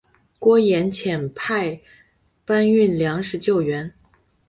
郭衍派船搬运粮食救援。